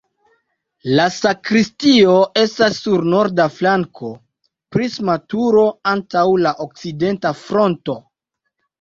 La sakristio estas sur norda flanko, prisma turo antaŭ la okcidenta fronto.